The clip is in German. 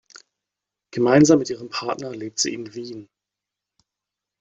Gemeinsam mit ihrem Partner lebt sie in Wien.